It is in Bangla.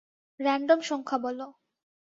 র্যান্ডম সংখ্যা বলো।